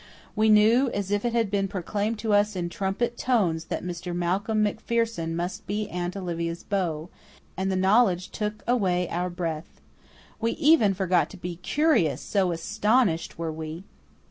We knew, as if it had been proclaimed to us in trumpet tones, that Mr. Malcolm MacPherson must be Aunt Olivia's beau, and the knowledge took away our breath. We even forgot to be curious, so astonished were we.